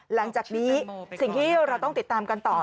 หลังจากนี้สิ่งที่เราต้องติดตามกันต่อ